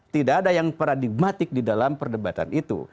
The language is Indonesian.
tidak ada yang paradigmatik di dalam perdebatan itu